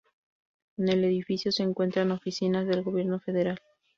En el edificio se encuentran oficinas del Gobierno Federal.